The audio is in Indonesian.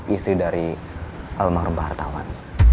istri dari almarhum pahartawan